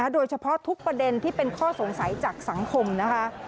โดยเฉพาะทุกประเด็นที่เป็นข้อสงสัยจากสังคมนะคะ